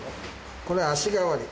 これは脚代わり。